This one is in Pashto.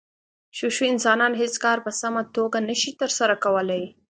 شو شو انسانان هېڅ کار په سمه توګه نشي ترسره کولی.